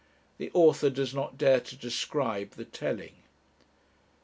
The author does not dare to describe the telling.